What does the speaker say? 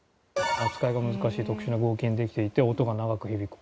「扱いが難しい特殊な合金でできていて音が長く響く」